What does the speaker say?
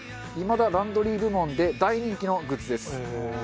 いまだランドリー部門で大人気のグッズです。